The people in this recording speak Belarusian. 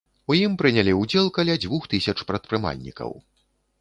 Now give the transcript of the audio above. У ім прынялі ўдзел каля дзвюх тысяч прадпрымальнікаў.